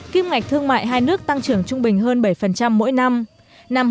kim ngạch thương mại hai nước tăng trưởng trung bình hơn bảy mỗi năm